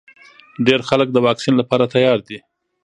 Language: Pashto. ډېر خلک د واکسین لپاره تیار دي.